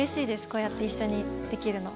こうやって一緒にできるの。